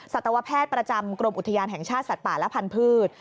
สัตวแพทย์ประจำกรมอุทยานแห่งชาติสัตว์ป่าและพันธุ์